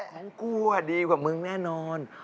กูดีกว่ามึงแน่นอน